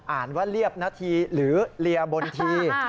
อ่านว่าเรียบนาทีหรือเรียบนที